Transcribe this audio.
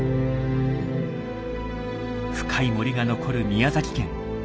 深い森が残る宮崎県。